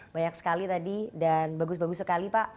banyak sekali tadi dan bagus bagus sekali pak